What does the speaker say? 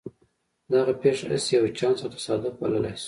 دغه پېښه هسې يو چانس او تصادف بللای شو.